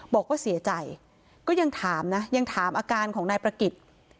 บอกว่าเสียใจก็ยังถามนะยังถามอาการของนายประกิจ